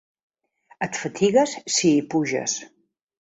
Et fatigues si hi puges.